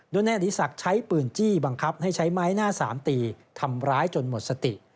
โดยนายอดีศักดิ์ใช้ปืนจี้บังคับให้ใช้ไม้หน้าสามตีทำร้ายจนหมดสติ